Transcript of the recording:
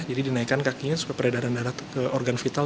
jadi dinaikkan kakinya supaya peredaran darah ke organ vital